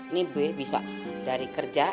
ini b bisa dari kerja